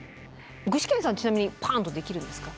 具志堅さんちなみにパンッとできるんですか？